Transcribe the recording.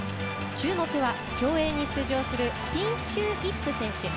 注目は競泳に出場するピンシュー・イップ選手。